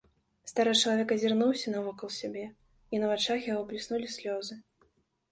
Стары чалавек азірнуўся навокал сябе, і на вачах яго бліснулі слёзы.